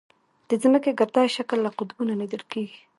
د ځمکې ګردي شکل له قطبونو لیدل کېږي.